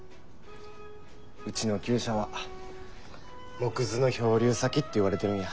うちの厩舎は藻くずの漂流先って言われてるんや。